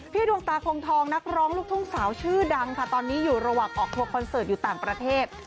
พี่ดวงตาควงทองนะคร้องลูกถ้องสาวชื่อดังนะครับตอนนี้อยู่ระหว่างออกตังทางต่างประเภท